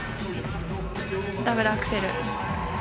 ダブルアクセル。